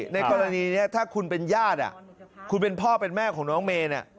ในกรณีนี้ถ้าคุณเป็นญาติคุณเป็นพ่อเป็นแม่ของน้องเมย์